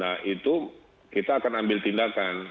nah itu kita akan ambil tindakan